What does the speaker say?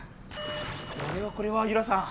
これはこれはユラさん。